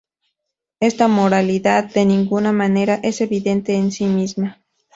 Esta moralidad de ninguna manera es evidente en sí misma.